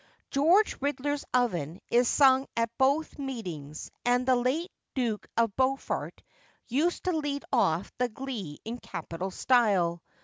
George Ridler's Oven is sung at both meetings, and the late Duke of Beaufort used to lead off the glee in capital style.